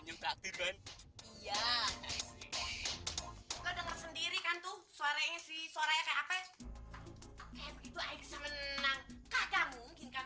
nyenyak diri kan tuh suaranya sih suaranya kayak apa itu bisa menang kagak mungkin kan